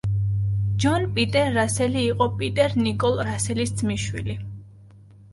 ჯონ პიტერ რასელი იყო პიტერ ნიკოლ რასელის ძმისშვილი.